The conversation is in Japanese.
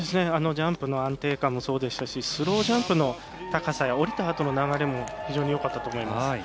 ジャンプの安定感もそうでしたしスロージャンプの高さや降りたあとの流れも非常によかったと思います。